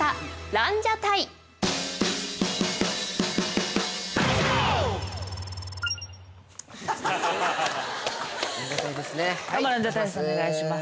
ランジャタイですねお願いします。